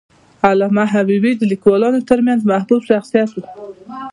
علامه حبیبي د لیکوالانو ترمنځ محبوب شخصیت و.